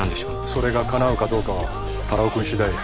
それが叶うかどうかは太郎くん次第や。